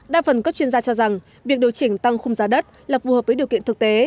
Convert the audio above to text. đa phần các chuyên gia cho rằng việc điều chỉnh tăng khung giá đất là phù hợp với điều kiện thực tế